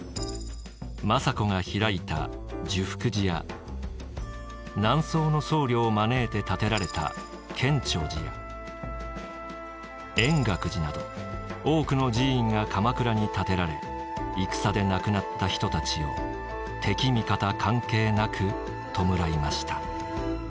政子が開いた寿福寺や南宋の僧侶を招いて建てられた建長寺や円覚寺など多くの寺院が鎌倉に建てられ戦で亡くなった人たちを敵味方関係なく弔いました。